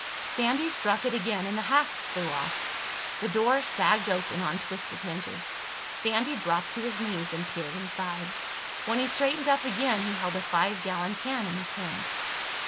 Sandy struck it again and the hasp flew off. The door sagged open on twisted hinges. Sandy dropped to his knees and peered inside. When he straightened up again he held a five gallon can in his hand.